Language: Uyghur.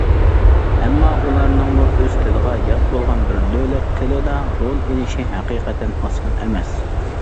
ئەمما ئۇلارنىڭمۇ ئۆز تىلىغا يات بولغان بىر دۆلەت تىلىدا رول ئېلىشى ھەقىقەتەن ئاسان ئەمەس.